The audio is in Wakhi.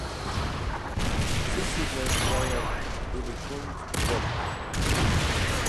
Chichizẽv yavẽr pilikuj dhetk?